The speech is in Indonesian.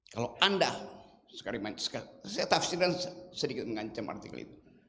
kalau anda saya tafsirkan sedikit mengancam artikel itu